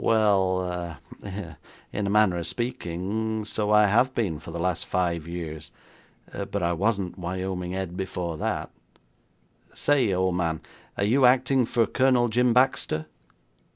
'Well, in a manner of speaking, so I have been for the last five years, but I wasn't Wyoming Ed before that. Say, old man, are you acting for Colonel Jim Baxter?'